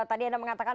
tadi anda mengatakan